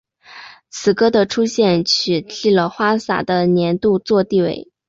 此歌的出现取替了花洒的年度作地位。